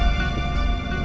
tidak ada yang bisa dikira